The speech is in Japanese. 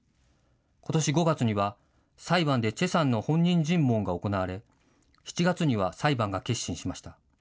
ことし５月には裁判で崔さんの本人尋問が行われ７月には裁判が結審しました。